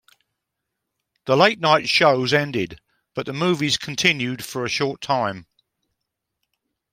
The late night shows ended, but the movies continued for a short time.